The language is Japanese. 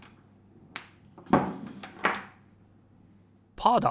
パーだ！